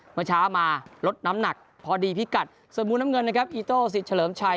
เมื่อเช้ามาลดน้ำหนักพอดีพิกัดส่วนมุมน้ำเงินนะครับอีโต้สิทธิ์เฉลิมชัย